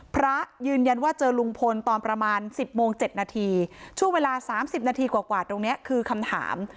พระยืนยันว่าเจอลุงพลตอนประมาณสิบโมงเจ็ดนาทีช่วงเวลาสามสิบนาทีกว่ากว่าตรงเนี้ยคือคำถาม